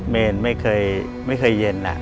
เมนไม่เคยเย็น